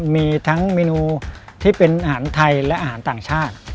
มีทั้งเมนูที่เป็นอาหารไทยและอาหารต่างชาติ